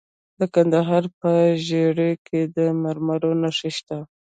د کندهار په ژیړۍ کې د مرمرو نښې شته.